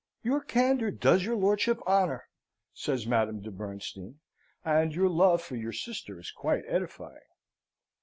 "Your candour does your lordship honour," says Madame de Bernstein, "and your love for your sister is quite edifying!"